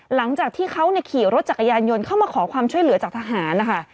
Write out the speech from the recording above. หลังจากที่เขาขี่รถจักรยานยนต์เข้ามาขอความช่วยเหลือจากทหารนะคะ